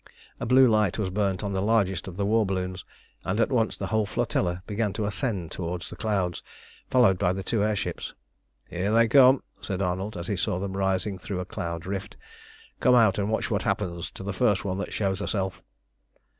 A blue light was burnt on the largest of the war balloons, and at once the whole flotilla began to ascend towards the clouds, followed by the two air ships. "Here they come!" said Arnold, as he saw them rising through a cloud rift. "Come out and watch what happens to the first one that shows herself."